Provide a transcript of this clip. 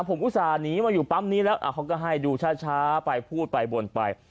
ผมอุตส่าห์หนีมาอยู่ปั๊มนี้แล้วเขาก็ให้ดูช้าไปพูดไปวนไป